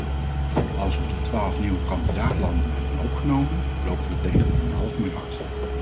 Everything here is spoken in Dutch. Als we de twaalf nieuwe kandidaat-landen hebben opgenomen, lopen we tegen een half miljard.